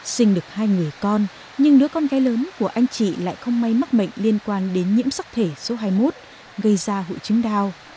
sinh được hai người con nhưng đứa con gái lớn của anh chị lại không may mắc mệnh liên quan đến nhiễm sắc thể số hai mươi một gây ra hụt chứng đau